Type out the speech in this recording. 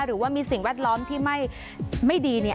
หรือว่ามีสิ่งแวดล้อมที่ไม่ดี